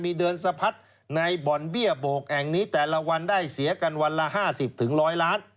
มีเดินสะพัดในบ่อนเบี้ยโบกแห่งนี้แต่ละวันได้เสียกันวันละ๕๐๑๐๐ล้าน